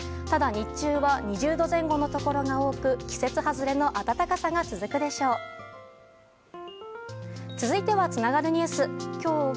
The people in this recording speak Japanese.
ただ、日中は２０度前後のところが多く季節外れの暖かさが続くでしょう。